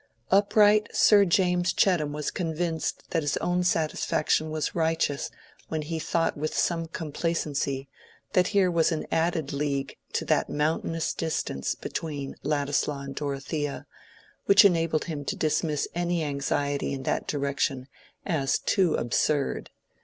Upright Sir James Chettam was convinced that his own satisfaction was righteous when he thought with some complacency that here was an added league to that mountainous distance between Ladislaw and Dorothea, which enabled him to dismiss any anxiety in that direction as too absurd.